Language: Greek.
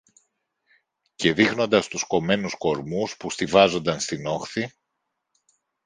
Και δείχνοντας τους κομμένους κορμούς που στοιβάζουνταν στην όχθη